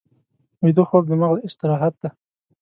ویده خوب د مغز استراحت دی